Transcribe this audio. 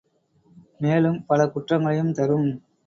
மேலும் பல குற்றங்களையும் தரும்.